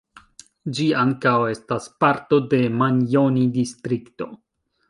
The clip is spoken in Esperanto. Ĝi ankaŭ estas parto de Manjoni-Distrikto.